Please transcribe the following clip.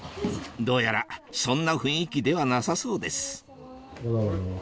どうやらそんな雰囲気ではなさそうです